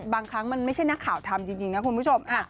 บางครั้งมันไม่ใช่นักข่าวทำจริงนะคุณผู้ชม